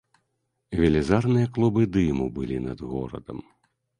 Велізарныя клубы дыму былі над горадам.